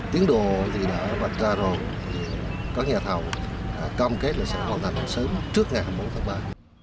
tiến đồ thì đã vạch ra rồi các nhà thầu cam kết là sẽ hoàn thành sớm trước ngày bốn tháng ba